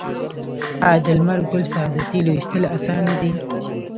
آیا د لمر ګل څخه د تیلو ایستل اسانه دي؟